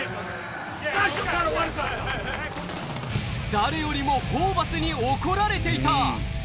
誰よりもホーバスに怒られていた。